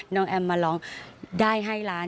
แอมมาร้องได้ให้ล้าน